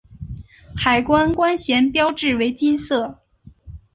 海关关衔标志为金色。